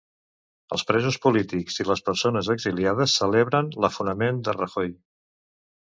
Els presos polítics i les persones exiliades celebren l'afonament de Rajoy.